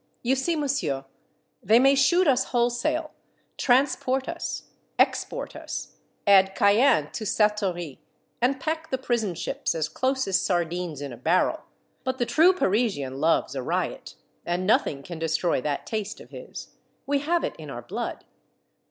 You see, monsieur, they may shoot us wholesale, transport us, export us, add Cayenne to Satory, and pack the prison ships as close as sardines in a barrel, but the true Parisian loves a riot, and nothing can destroy that taste of his. We have it in our blood.